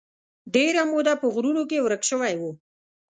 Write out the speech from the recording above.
ډېره موده په غرونو کې ورک شوی و.